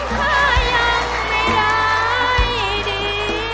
ถ้ายังไม่ได้ดี